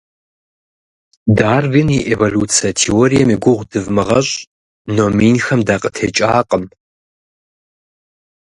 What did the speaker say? Дарвин и эволюцэ теорием и гугъу дывмыгъэщӀ, номинхэм дакъытекӀакъым!